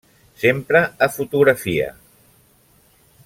S'empra a fotografia.